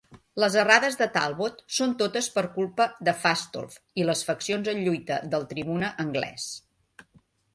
Les errades de Talbot són totes per culpa de Fastolf i les faccions en lluita del tribuna anglès.